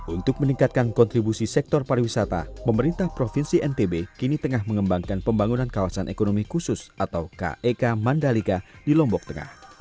untuk meningkatkan kontribusi sektor pariwisata pemerintah provinsi ntb kini tengah mengembangkan pembangunan kawasan ekonomi khusus atau kek mandalika di lombok tengah